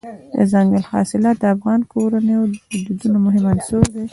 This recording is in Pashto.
دځنګل حاصلات د افغان کورنیو د دودونو مهم عنصر دی.